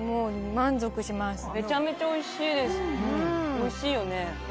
おいしいよね。